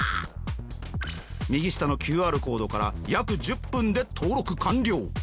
右下のＱＲコードから約１０分で登録完了。